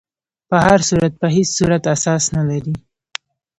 په هر صورت په هیڅ صورت اساس نه لري.